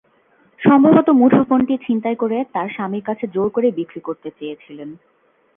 সম্ভবত মুঠোফোনটি ছিনতাই করে তাঁর স্বামীর কাছে জোর করে বিক্রি করতে চেয়েছিলেন।